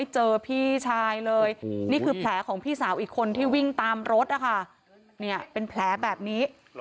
เจอพี่ชายเลยนี่คือแผลของพี่สาวอีกคนที่วิ่งตามรถนะคะเป็นแผลแบบนี้